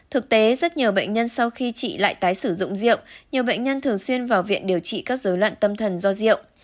thực tế rất nhiều bệnh nhân sau khi chị lại tái sử dụng rượu nhiều bệnh nhân thường xuyên vào viện điều trị các dối loạn tâm thần do rượu